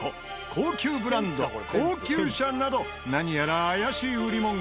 高級ブランド高級車など何やら怪しい売り文句が。